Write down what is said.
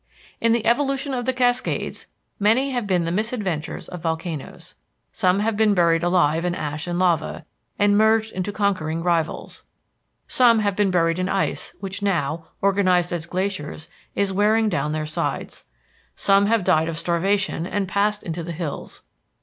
In the evolution of the Cascades, many have been the misadventures of volcanoes. Some have been buried alive in ash and lava, and merged into conquering rivals. Some have been buried in ice which now, organized as glaciers, is wearing down their sides. Some have died of starvation and passed into the hills.